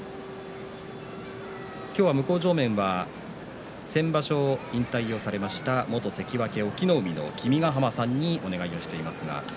今日は向正面は先場所、引退をされました元関脇隠岐の海の君ヶ濱さんにお願いをしています。